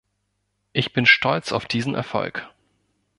Ich bin stolz auf diesen Erfolg.